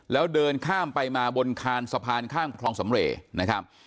แล้วเดินข้ามไปมาบนคานสะพานข้ามคลองสำเรย์นะครับ